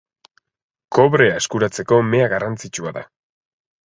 Kobrea eskuratzeko mea garrantzitsua da.